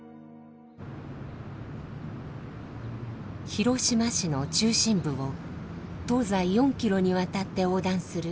広島市の中心部を東西４ｋｍにわたって横断する